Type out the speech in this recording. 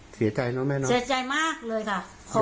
เสียใจเนอะแน่นอนเสียใจมากเลยค่ะ